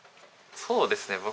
そうですね。